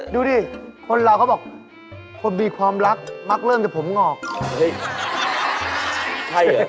ดูดิคนเราคนมีความรักมักเริ่มแต่ผมงอบเฮ้ย